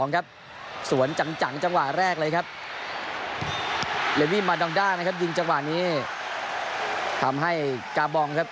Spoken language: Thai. ครับ